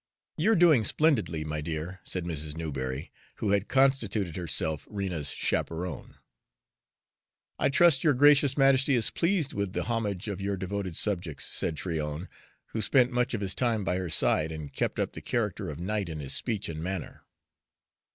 "You're doing splendidly, my dear," said Mrs. Newberry, who had constituted herself Rena's chaperone. "I trust your Gracious Majesty is pleased with the homage of your devoted subjects," said Tryon, who spent much of his time by her side and kept up the character of knight in his speech and manner.